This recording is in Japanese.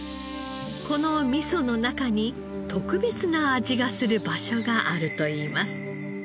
この味噌の中に特別な味がする場所があるといいます。